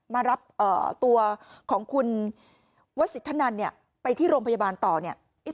มารับตัวของคุณวสิทธนันเนี่ยไปที่โรงพยาบาลต่อเนี่ย